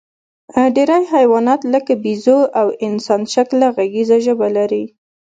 ډېری حیوانات، لکه بیزو او انسانشکله غږیزه ژبه لري.